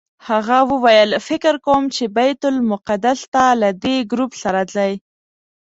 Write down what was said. هغه وویل فکر کوم چې بیت المقدس ته له دې ګروپ سره ځئ.